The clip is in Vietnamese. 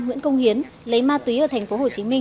nguyễn công hiến lấy ma túy ở tp hcm